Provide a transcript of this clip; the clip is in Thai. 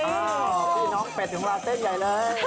อ๋อพี่น้องเป็ดถึงราเซสใหญ่เลย